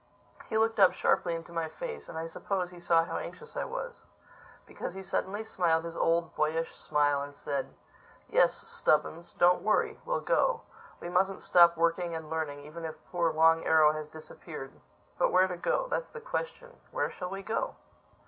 He looked up sharply into my face; and I suppose he saw how anxious I was. Because he suddenly smiled his old, boyish smile and said, "Yes, Stubbins. Don't worry. We'll go. We mustn't stop working and learning, even if poor Long Arrow has disappeared—But where to go: that's the question. Where shall we go?"